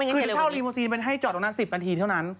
คือเฉ้ารีโมซีลให้จอดตรงนั้น๑๐ประวัตรครืองั้น